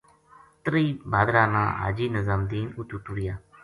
ترئی بھادرا نا حاجی نظام دین اتو ٹریا۔